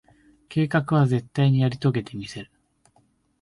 計画は、絶対にやり遂げてみせる。